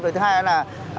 thứ hai là